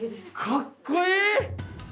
かっこいい！